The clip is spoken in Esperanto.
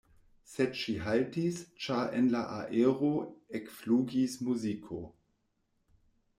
Sed ŝi haltis, ĉar en la aero ekflugis muziko.